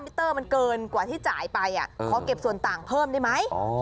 เตอร์มันเกินกว่าที่จ่ายไปขอเก็บส่วนต่างเพิ่มได้ไหม